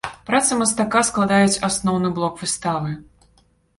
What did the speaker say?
Працы мастака складаюць асноўны блок выставы.